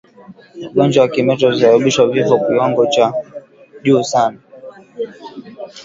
Ugonjwa wa kimeta husababisha vifo kwa kiwango cha juu sana